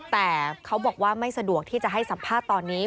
แต่เขาบอกว่าไม่สะดวกที่จะให้สัมภาษณ์ตอนนี้